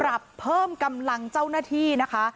ปรับเพิ่มกำลังเจ้าหน้าที่นะคะ